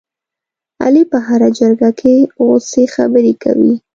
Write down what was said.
علي په هره جرګه کې غوڅې خبرې کوي.